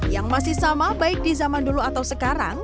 yang masih sama baik di zaman dulu atau sekarang